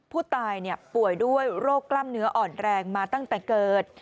ผู้ตายป่วยด้วยโรคกล้ามเนื้ออ่อนแรงมาตั้งแต่เกิด